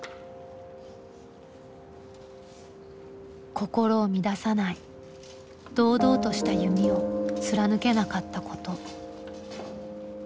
心を乱さない「堂々とした弓」を貫けなかったこと。